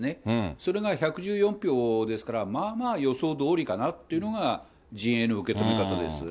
それが１１４票ですから、まあまあ予想どおりかなというのが陣営の受け止め方です。